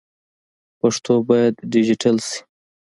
پښتو باید ډيجيټل سي.